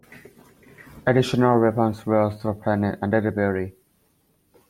Additional weapons were also planned under the belly.